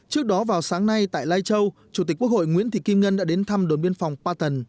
trước đó vào sáng nay tại lai châu chủ tịch quốc hội nguyễn thị kim ngân đã đến thăm đồn biên phòng pa tần